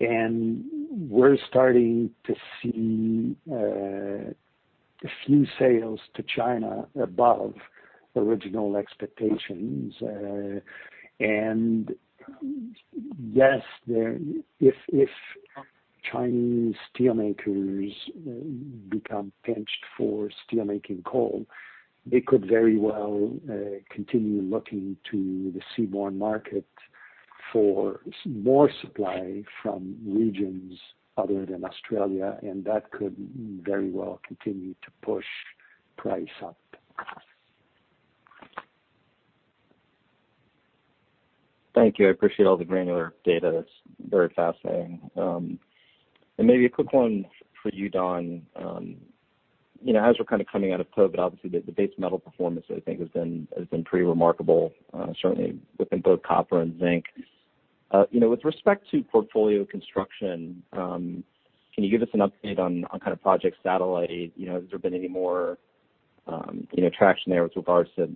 We're starting to see a few sales to China above original expectations. Yes, if Chinese steelmakers become pinched for steelmaking coal, they could very well continue looking to the seaborne market for more supply from regions other than Australia, and that could very well continue to push price up. Thank you. I appreciate all the granular data. That's very fascinating. Maybe a quick one for you, Don. As we're kind of coming out of COVID, obviously the base metal performance I think has been pretty remarkable, certainly within both copper and zinc. With respect to portfolio construction, can you give us an update on Project Satellite? Has there been any more traction there with regards to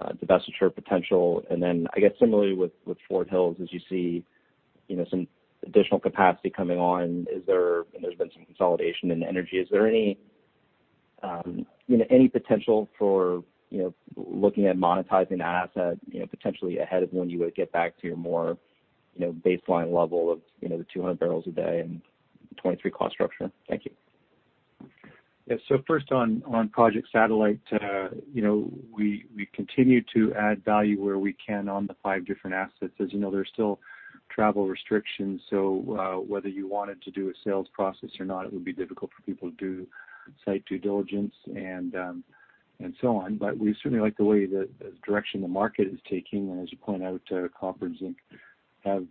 divestiture potential? I guess similarly with Fort Hills, as you see some additional capacity coming on, and there's been some consolidation in energy, is there any potential for looking at monetizing that asset, potentially ahead of when you would get back to your more baseline level of the 200 barrels a day and 23 cost structure? Thank you. Yeah. First on Project Satellite, we continue to add value where we can on the five different assets. As you know, there's still travel restrictions, so whether you wanted to do a sales process or not, it would be difficult for people to do site due diligence and so on. We certainly like the way the direction the market is taking. As you point out, copper and zinc have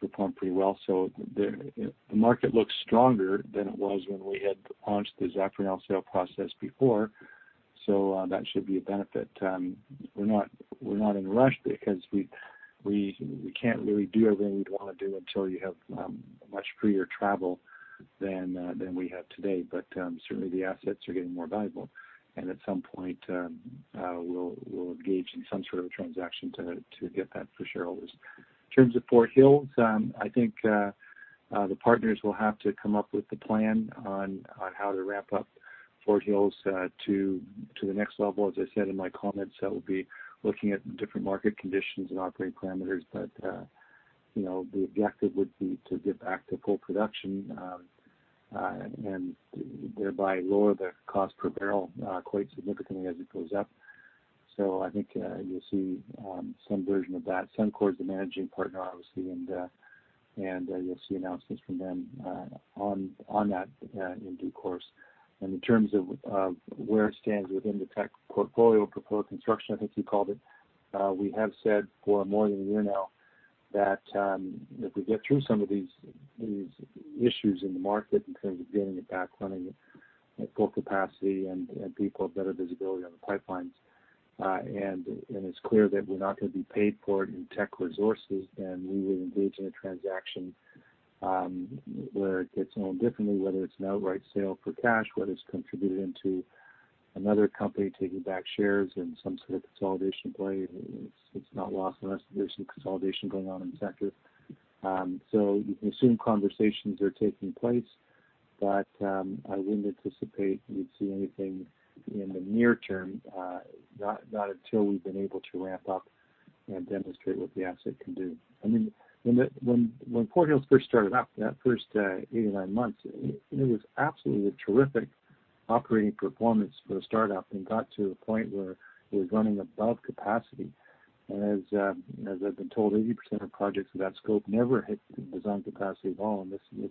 performed pretty well. The market looks stronger than it was when we had launched the Zafranal sale process before, so that should be a benefit. We're not in a rush because we can't really do everything we'd want to do until you have much freer travel than we have today. Certainly, the assets are getting more valuable. At some point, we'll engage in some sort of a transaction to get that for shareholders. In terms of Fort Hills, I think the partners will have to come up with the plan on how to ramp up Fort Hills to the next level. As I said in my comments, that will be looking at different market conditions and operating parameters. The objective would be to get back to full production, and thereby lower the cost per barrel quite significantly as it goes up. I think you'll see some version of that. Suncor is the managing partner, obviously, and you'll see announcements from them on that in due course. In terms of where it stands within the Teck portfolio construction, I think you called it, we have said for more than one year now that if we get through some of these issues in the market in terms of getting it back running at full capacity and people have better visibility on the pipelines. It's clear that we're not going to be paid for it in Teck Resources, then we will engage in a transaction, where it gets owned differently, whether it's an outright sale for cash, whether it's contributed into another company, taking back shares in some sort of consolidation play. It's not lost unless there's some consolidation going on in the sector. You can assume conversations are taking place, but I wouldn't anticipate you'd see anything in the near term, not until we've been able to ramp up and demonstrate what the asset can do. When Fort Hills first started up, that first eight, nine months, it was absolutely a terrific operating performance for a startup and got to a point where it was running above capacity. As I've been told, 80% of projects of that scope never hit design capacity at all, and this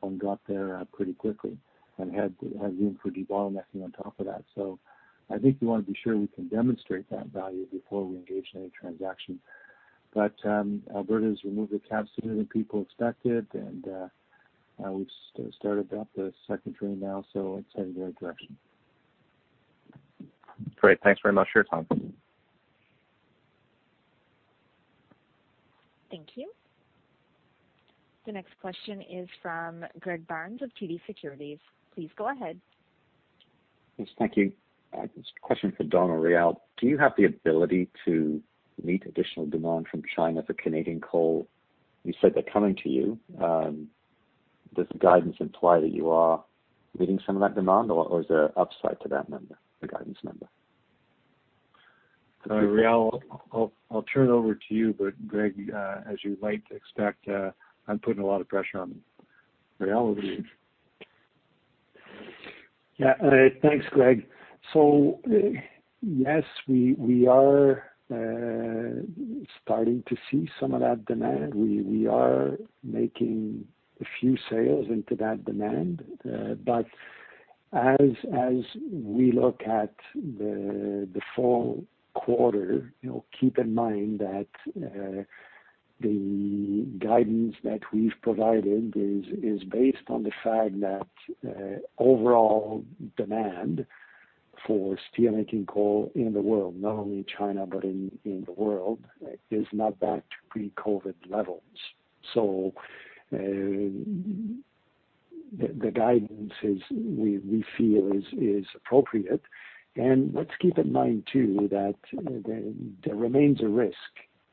one got there pretty quickly and had room for debottlenecking on top of that. I think we want to be sure we can demonstrate that value before we engage in any transaction. Alberta has removed the caps sooner than people expected, and we've started up the second train now, so it's heading in the right direction. Great. Thanks very much for your time. Thank you. The next question is from Greg Barnes of TD Securities. Please go ahead. Yes, thank you. Just a question for Don or Réal. Do you have the ability to meet additional demand from China for Canadian coal? You said they're coming to you. Does the guidance imply that you are meeting some of that demand, or is there upside to that number, the guidance number? Réal, I'll turn it over to you, but Greg, as you might expect, I'm putting a lot of pressure on Réal. Yeah. Thanks, Greg. Yes, we are starting to see some of that demand. We are making a few sales into that demand. As we look at the fall quarter, keep in mind that the guidance that we've provided is based on the fact that overall demand for steelmaking coal in the world, not only in China but in the world, is not back to pre-COVID-19 levels. The guidance is we feel is appropriate. Let's keep in mind, too, that there remains a risk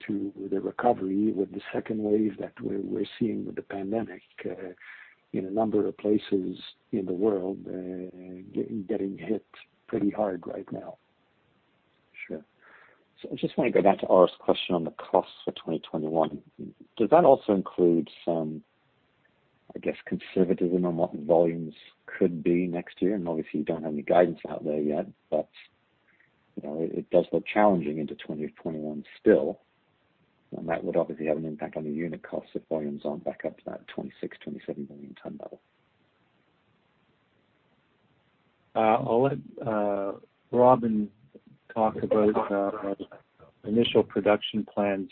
to the recovery with the second wave that we're seeing with the pandemic in a number of places in the world getting hit pretty hard right now. Sure. I just want to go back to Orest's question on the costs for 2021. Does that also include some conservatism on what volumes could be next year? Obviously, you don't have any guidance out there yet, but it does look challenging into 2021 still. That would obviously have an impact on the unit costs if volumes aren't back up to that 26, 27 million ton level. I'll let Robin talk about initial production plans,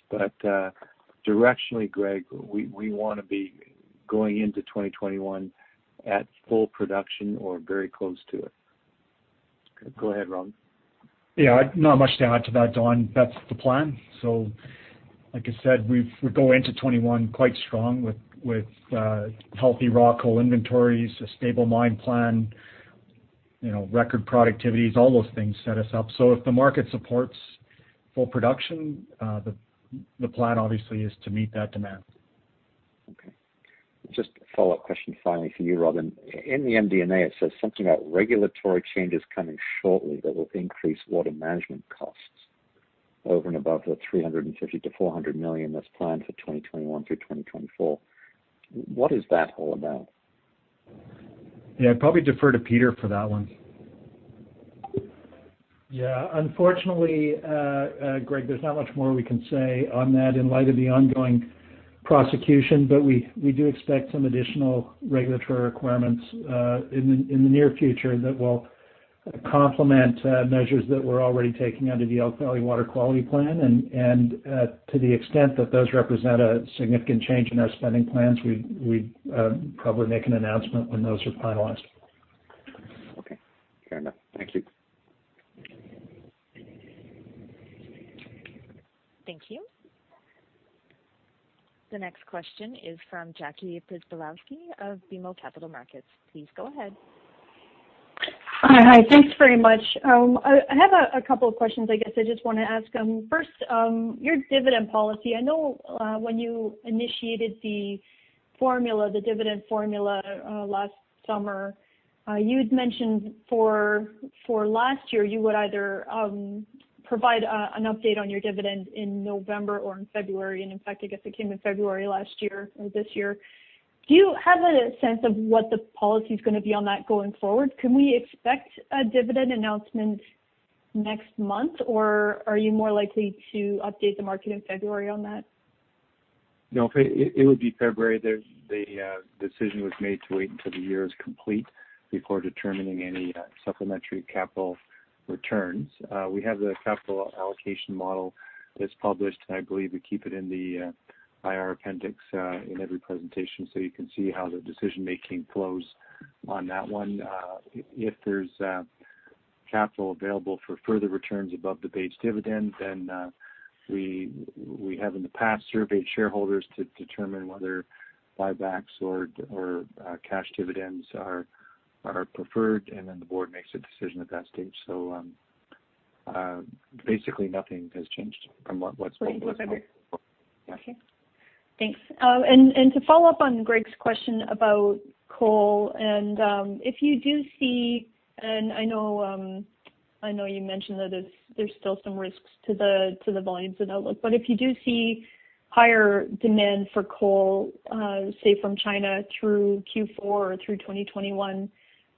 directionally, Greg, we want to be going into 2021 at full production or very close to it. Go ahead, Robin. Yeah, not much to add to that, Don. That's the plan. Like I said, we go into 2021 quite strong with healthy raw coal inventories, a stable mine plan, record productivities, all those things set us up. If the market supports full production, the plan obviously is to meet that demand. Okay. Just a follow-up question finally for you, Robin. In the MD&A, it says something about regulatory changes coming shortly that will increase water management costs over and above the 350 million-400 million that is planned for 2021 through 2024. What is that all about? Yeah, I'd probably defer to Peter for that one. Yeah, unfortunately, Greg, there's not much more we can say on that in light of the ongoing prosecution, but we do expect some additional regulatory requirements in the near future that will complement measures that we're already taking under the Elk Valley Water Quality Plan. To the extent that those represent a significant change in our spending plans, we'd probably make an announcement when those are finalized. Okay, fair enough. Thank you. Thank you. The next question is from Jackie Przybylowski of BMO Capital Markets. Please go ahead. Hi. Thanks very much. I have a couple of questions I guess I just want to ask. First, your dividend policy. I know when you initiated the dividend formula last summer, you had mentioned for last year, you would either provide an update on your dividend in November or in February. In fact, I guess it came in February last year or this year. Do you have a sense of what the policy is going to be on that going forward? Can we expect a dividend announcement next month, or are you more likely to update the market in February on that? It would be February. The decision was made to wait until the year is complete before determining any supplementary capital returns. We have the capital allocation model that's published, and I believe we keep it in the IR appendix in every presentation so you can see how the decision-making flows on that one. If there's capital available for further returns above the base dividend, then we have in the past surveyed shareholders to determine whether buybacks or cash dividends are preferred, and then the board makes a decision at that stage. Basically nothing has changed from what's been- Okay. Thanks. To follow up on Greg's question about coal, if you do see, and I know you mentioned that there's still some risks to the volumes and outlook, but if you do see higher demand for coal, say from China through Q4 or through 2021,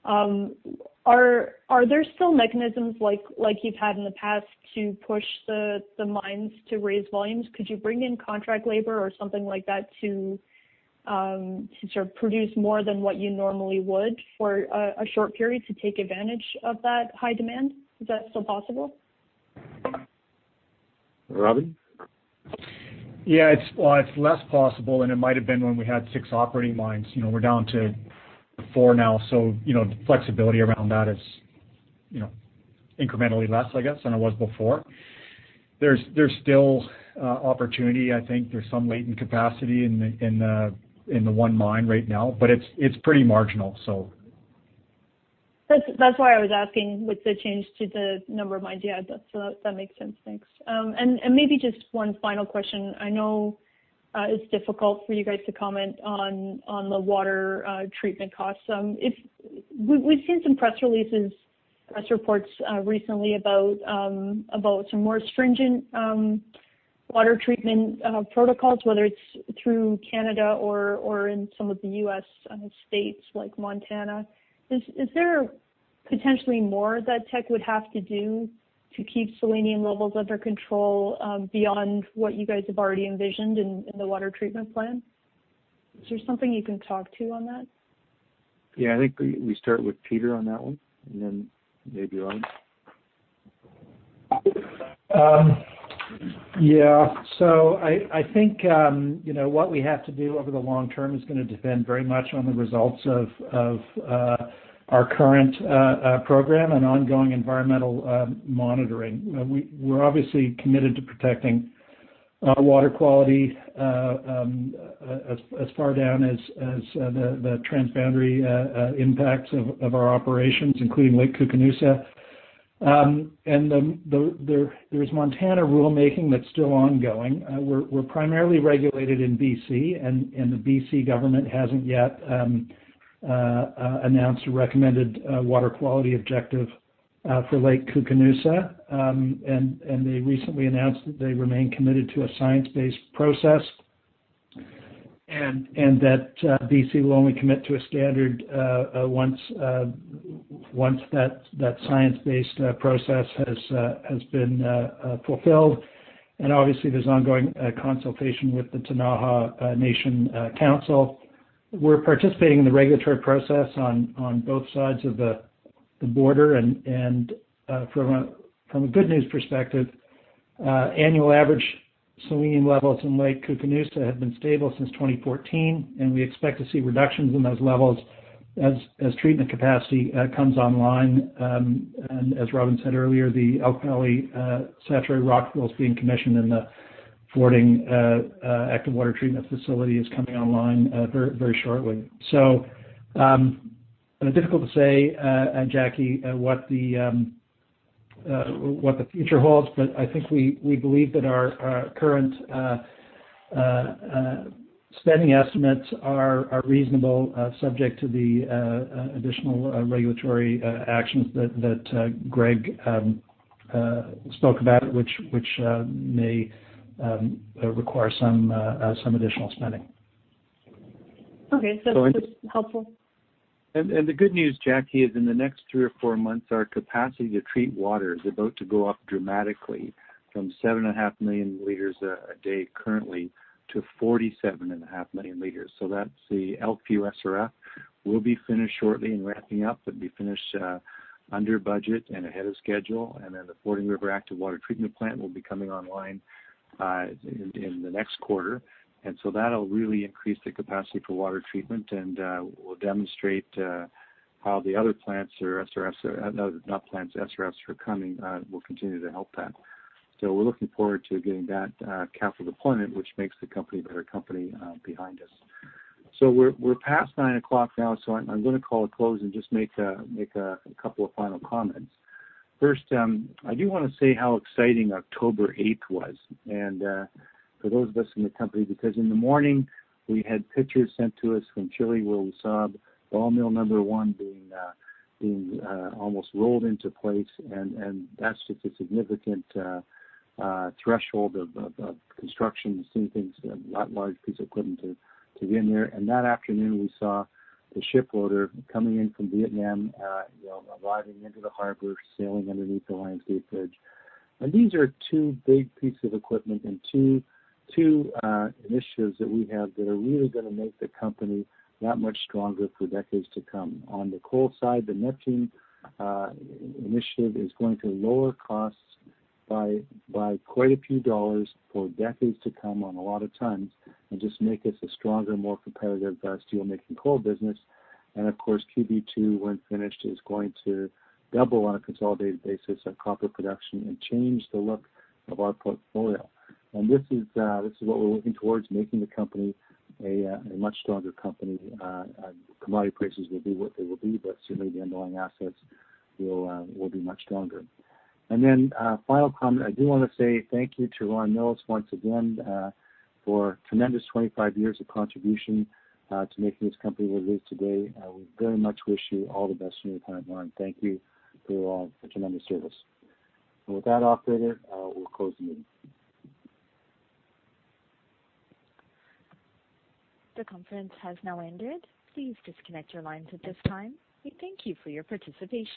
are there still mechanisms like you've had in the past to push the mines to raise volumes? Could you bring in contract labor or something like that to sort of produce more than what you normally would for a short period to take advantage of that high demand? Is that still possible? Robin? Yeah. It's less possible than it might have been when we had six operating mines. We're down to four now, so the flexibility around that is incrementally less, I guess, than it was before. There's still opportunity. I think there's some latent capacity in the one mine right now, but it's pretty marginal. That's why I was asking with the change to the number of mines. Yeah, that makes sense. Thanks. Maybe just one final question. I know it's difficult for you guys to comment on the water treatment costs. We've seen some press releases, press reports recently about some more stringent water treatment protocols, whether it's through Canada or in some of the U.S. states like Montana. Is there potentially more that Teck would have to do to keep selenium levels under control, beyond what you guys have already envisioned in the water treatment plan? Is there something you can talk to on that? Yeah, I think we start with Peter on that one, and then maybe Robin. Yeah. I think what we have to do over the long term is going to depend very much on the results of our current program and ongoing environmental monitoring. We're obviously committed to protecting water quality as far down as the transboundary impacts of our operations, including Lake Koocanusa. There is Montana rulemaking that's still ongoing. We're primarily regulated in BC, and the BC government hasn't yet announced a recommended water quality objective for Lake Koocanusa. They recently announced that they remain committed to a science-based process, and that BC will only commit to a standard once that science-based process has been fulfilled. Obviously, there's ongoing consultation with the Ktunaxa Nation Council. We're participating in the regulatory process on both sides of the border, and from a good news perspective, annual average selenium levels in Lake Koocanusa have been stable since 2014, and we expect to see reductions in those levels as treatment capacity comes online. As Robin said earlier, the Elk Valley Saturated Rock Fill is being commissioned and the Fording active water treatment facility is coming online very shortly. Difficult to say, Jackie, what the future holds, but I think we believe that our current spending estimates are reasonable, subject to the additional regulatory actions that Greg spoke about, which may require some additional spending. Okay. That's helpful. The good news, Jackie, is in the next three or four months, our capacity to treat water is about to go up dramatically from 7.5 million liters a day currently to 47.5 million liters. That's the Elkview SRF will be finished shortly and ramping up, it'll be finished under budget and ahead of schedule. Then the Fording River active water treatment plant will be coming online in the next quarter. That'll really increase the capacity for water treatment and will demonstrate how the other plants, not plants, SRFs are coming, will continue to help that. We're looking forward to getting that capital deployment, which makes the company a better company behind us. We're past 9:00 now, I'm going to call a close and just make a couple of final comments. I do want to say how exciting October 8th was. For those of us in the company, because in the morning, we had pictures sent to us from Chile with SAG mill number one being almost rolled into place, and that's just a significant threshold of construction to see things, that large piece of equipment to get in there. That afternoon, we saw the ship loader coming in from Vietnam, arriving into the harbor, sailing underneath the Lions Gate Bridge. These are two big pieces of equipment and two initiatives that we have that are really going to make the company that much stronger for decades to come. On the coal side, the Neptune initiative is going to lower costs by quite a few dollars for decades to come on a lot of tons and just make us a stronger, more competitive steelmaking coal business. Of course, QB2, when finished, is going to double on a consolidated basis of copper production and change the look of our portfolio. This is what we're working towards, making the company a much stronger company. Commodity prices will be what they will be, but certainly the underlying assets will be much stronger. Final comment, I do want to say thank you to Ron Millos once again, for a tremendous 25 years of contribution to making this company what it is today. We very much wish you all the best in your retirement. Thank you for your tremendous service. With that, operator, we'll close the meeting. The conference has now ended. Please disconnect your lines at this time. We thank you for your participation.